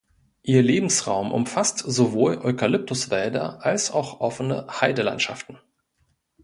Ihr Lebensraum umfasst sowohl Eukalyptuswälder als auch offene Heidelandschaften.